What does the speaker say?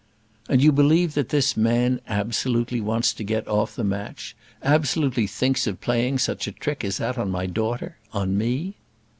"And you believe that this man absolutely wants to get off the match; absolutely thinks of playing such a trick as that on my daughter; on me?"